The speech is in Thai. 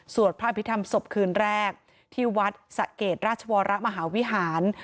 พระอภิษฐรรมศพคืนแรกที่วัดสะเกดราชวรมหาวิหาร